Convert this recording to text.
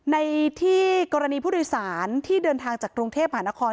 ในที่กรณีผู้โดยสารที่เดินทางจากกรุงเทพหานคร